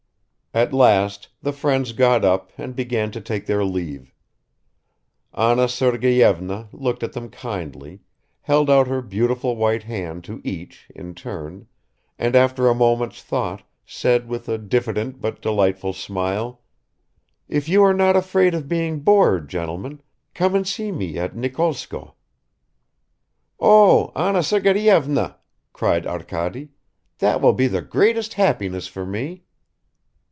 At last the friends got up and began to take their leave. Anna Sergeyevna looked at them kindly, held out her beautiful white hand to each in turn, and after a moment's thought, said with a diffident but delightful smile, "If you are not afraid of being bored, gentlemen, come and see me at Nikolskoe." "Oh, Anna Sergeyevna," cried Arkady, "that will be the greatest happiness for me."